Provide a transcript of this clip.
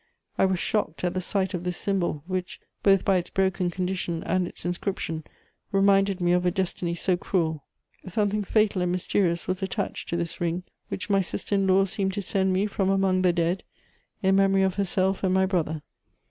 I was shocked at the sight of this symbol, which, both by its broken condition and its inscription, reminded me of a destiny so cruel. Something fatal and mysterious was attached to this ring, which my sister in law seemed to send me from among the dead, in memory of herself and my brother.